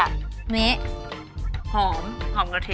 หอมกระทิก